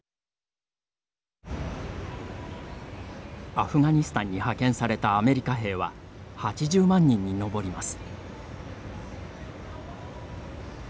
アフガニスタンに派遣されたアメリカ兵は８０万人に上ります。